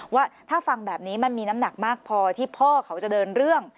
ว่าถ้าฟังแบบนี้มันมีน้ำหนักมากพอที่พ่อเขาจะเดินเรื่อง